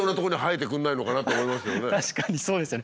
確かにそうですよね。